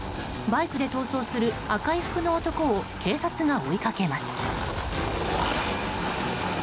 バイクで逃走する赤い服の男を警察が追いかけます。